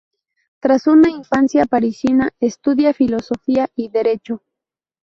Tras una infancia parisina, estudia Filosofía y Derecho.